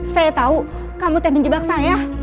saya tahu kamu teh menjebak saya